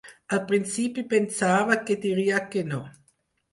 Al principi pensava que diria que no.